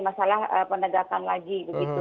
masalah penegakan lagi